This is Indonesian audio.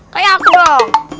kayak aku dong